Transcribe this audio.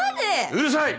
うるさい！